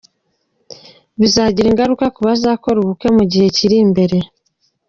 Bizagira ingaruka ku bazakora ubukwe mu gihe kiri imbere.